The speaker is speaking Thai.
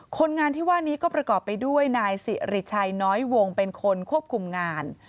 คนงานที่ว่านี้ก็ประกอบไปด้วยนายสิริชัยน้อยวงเป็นคนควบคุมงาน